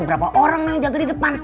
berapa orang yang jatuh di depan